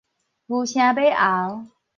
牛聲馬喉